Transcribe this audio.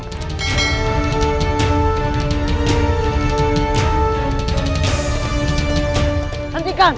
raka soekar berhenti